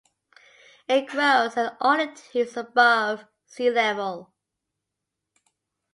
It grows at altitudes of above sea level.